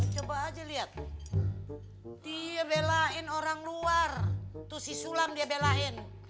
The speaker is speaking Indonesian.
coba aja liat dia belain orang luar tuh si sulam dia belain